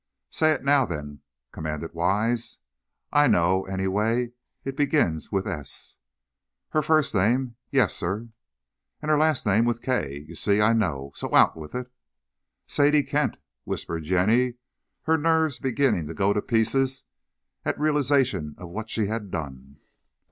"Say now, then," commanded Wise. "I know, anyway. It begins with S." "Her first name, yes, sir." "And the last name with K. You see I know! So, out with it!" "Sadie Kent," whispered Jenny, her nerves beginning to go to pieces at realizaton of what she had done.